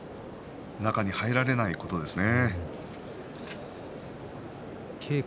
中に入られないことですね。